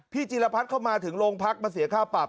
จีรพัฒน์เข้ามาถึงโรงพักมาเสียค่าปรับ